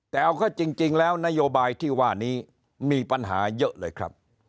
แต่เอาก็จริงแล้วนโยบายที่ว่านี้มีปัญหาเยอะเลยครับ